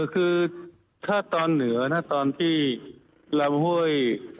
คือถ้าตอนเหนือนะตอนที่ลำห้วย